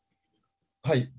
はい。